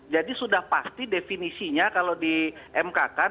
jadi sudah pasti definisinya kalau di mk kan